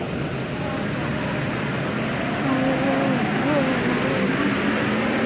后转任三司理欠凭由司。